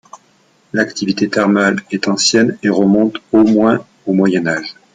L'activité thermale est ancienne et remonte au moins au Moyen Âge.